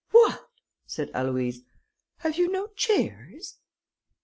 "What," said Aloïse, "have you no chairs?"